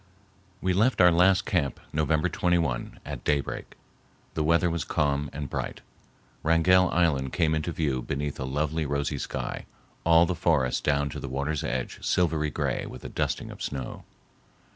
We left our last camp November 21 at daybreak. The weather was calm and bright. Wrangell Island came into view beneath a lovely rosy sky, all the forest down to the water's edge silvery gray with a dusting of snow.